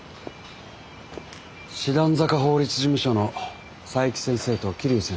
師団坂法律事務所の佐伯先生と桐生先生ですね。